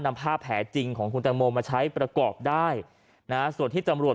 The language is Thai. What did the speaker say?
นำผ้าแผลจริงของคุณตังโมมาใช้ประกอบได้นะส่วนที่ตำรวจ